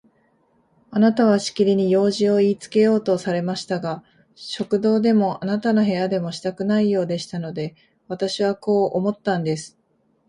あなたはしきりに用事をいいつけようとされましたが、食堂でもあなたの部屋でもしたくないようでしたので、私はこう思ったんです。